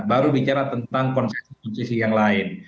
baru bicara tentang konsep posisi yang lain